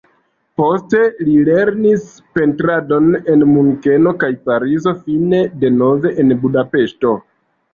Poste li lernis pentradon en Munkeno kaj Parizo, fine denove en Budapeŝto.